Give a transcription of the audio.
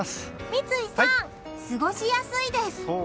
三井さん、過ごしやすいです。